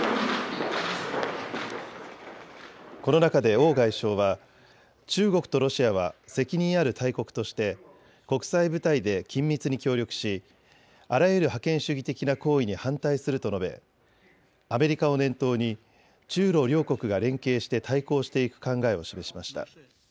この中で王外相は中国とロシアは責任ある大国として国際舞台で緊密に協力しあらゆる覇権主義的な行為に反対すると述べアメリカを念頭に中ロ両国が連携して対抗していく考えを示しました。